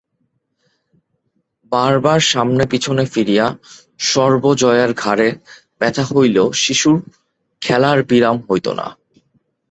বার বার সামনে পিছনে ফিরিয়া সর্বজয়ার ঘাড়ে ব্যথা হইলেও শিশুর খেলার বিরাম হইত না।